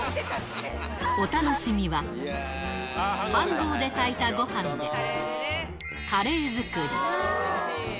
お楽しみは、飯ごうで炊いたごはんで、カレー作り。